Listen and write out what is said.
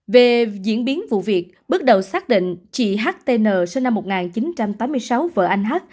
về diễn biến vụ việc bước đầu xác định chị htn sinh năm một nghìn chín trăm tám mươi sáu vợ anh h